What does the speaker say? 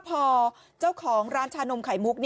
พอเจ้าของร้านชานมไข่มุก